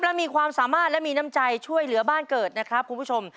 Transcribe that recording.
และมีความสามารถและมีน้ำใจช่วยเหลือบ้านเกิดนะครับคุณผู้ชม